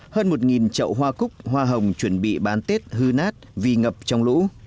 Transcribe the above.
hơn một trậu hoa cúc hoa hồng chuẩn bị bán tết hư nát vì ngập trong lũ